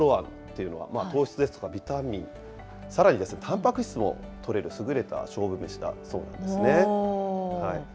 あとこちらのカボチャのそぼろあんというのは糖質ですとか、ビタミン、さらにたんぱく質もとれる優れた勝負メシだそうなんですね。